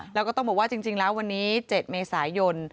แล้วก็ต้องบอกว่าจริงแล้ววันนี้๗เมษายน